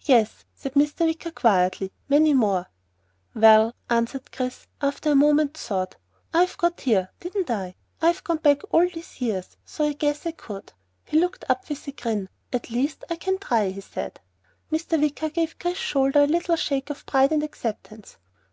"Yes," said Mr. Wicker quietly. "Many more." "Well," Chris answered after a moment's thought, "I got here, didn't I? I've gone back all these years, so I guess I could." He looked up with a grin. "At least I can try," he said. Mr. Wicker gave Chris's shoulder a little shake of pride and acceptance.